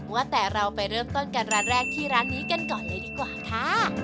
ว่าแต่เราไปเริ่มต้นกันร้านแรกที่ร้านนี้กันก่อนเลยดีกว่าค่ะ